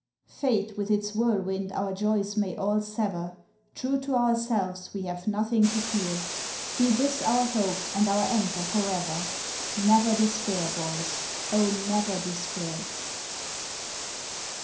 Fate with its whirlwind our joys may all sever, True to ourselves, we have nothing to fear. Be this our hope and our anchor for ever Never despair Boys oh! never despair.